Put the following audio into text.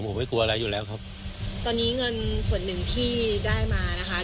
ผมไม่กลัวอะไรอยู่แล้วครับตอนนี้เงินส่วนหนึ่งที่ได้มานะคะ